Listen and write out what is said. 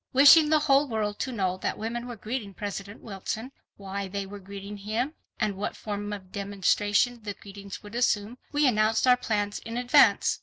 Wishing the whole world to know that women were greeting President Wilson, why they were greeting him, and what form of demonstration the greetings would assume, we announced our plans in advance.